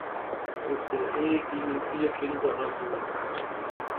Aus der Ehe gingen vier Kinder hervor.